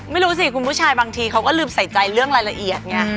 ไม่รู้สิคุณผู้ชายบางทีเขาก็ลืมใส่ใจเรื่องรายละเอียดไง